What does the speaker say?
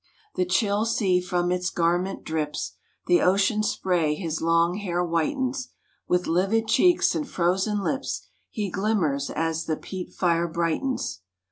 The chill sea from its garment drips, The ocean spray his long hair whitens, With livid cheeks and frozen lips, He glimmers as the peat fire brightens.